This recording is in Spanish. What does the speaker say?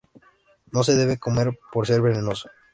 No se debe comer por ser venenoso.